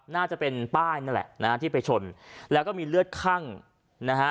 น่าจะเป็นป้ายนั่นแหละนะฮะที่ไปชนแล้วก็มีเลือดคั่งนะฮะ